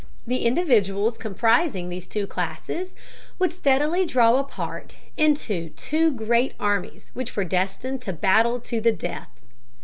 The individuals comprising these two classes would steadily draw apart into two great armies which were destined to battle to the death.